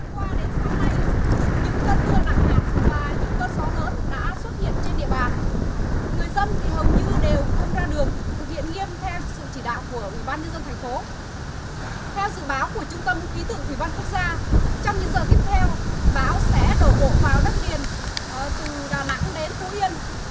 theo dự báo của trung tâm ký tượng thủy văn quốc gia trong những giờ tiếp theo bão sẽ đổ bộ vào đất liền từ đà nẵng đến phú yên